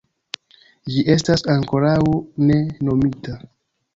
Ĝi estas ankoraŭ ne nomita.